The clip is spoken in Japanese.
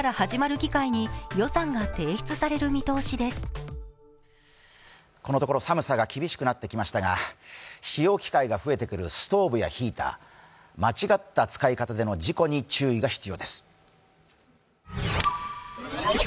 このところ寒さが厳しくなってきましたが、使用機会が増えてくるストーブやヒーター、間違った使い方での事故に注意が必要です。